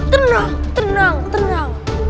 tenang tenang tenang